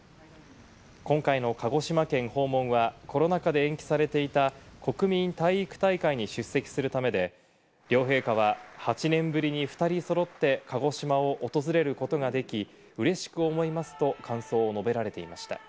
今回の鹿児島県訪問は、コロナ禍で延期されていた国民体育大会に出席するためで、両陛下は８年ぶりに２人揃って鹿児島を訪れることができ、嬉しく思いますと感想を述べられていました。